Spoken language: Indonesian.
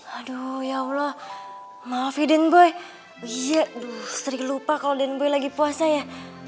aduh ya allah maafin gue aduh sering lupa kalau dan gue lagi puasa ya